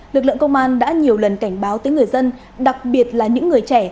lực lượng công an đã nhiều lần cảnh báo tới người dân đặc biệt là những người trẻ